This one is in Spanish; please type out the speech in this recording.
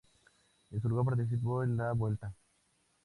En su lugar, participó en la Vuelta.